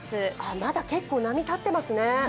まだ結構、波が立っていますね。